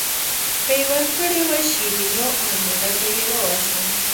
که یې ورکړې وه شیرینو او مېړه به یې ووژنم.